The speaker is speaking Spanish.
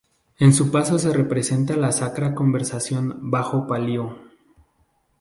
En su paso se representa la Sacra Conversación bajo palio.